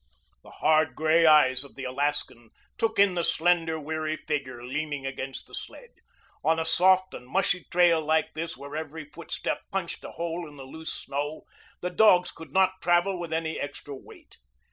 The hard, gray eyes of the Alaskan took in the slender, weary figure leaning against the sled. On a soft and mushy trail like this, where every footstep punched a hole in the loose snow, the dogs could not travel with any extra weight.